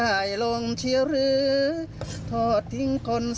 อาคุณเสียงเหมือนปะล่ะ